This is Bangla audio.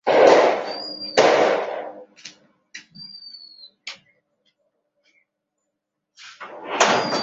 একটি ইভেন্ট যা কবি ও পাঞ্জাবি সাহিত্যের সাথে জড়িত লোকদের নিয়ে তার কাজগুলি পরিচালনা করে তাকে শ্রদ্ধা নিবেদন করেন।